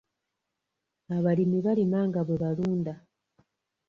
Abalimi balima nga bwe balunda.